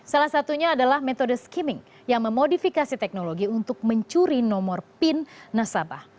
salah satunya adalah metode skimming yang memodifikasi teknologi untuk mencuri nomor pin nasabah